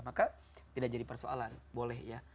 maka tidak jadi persoalan boleh ya